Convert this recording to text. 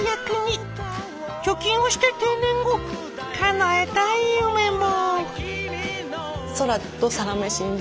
貯金をして定年後かなえたい夢も。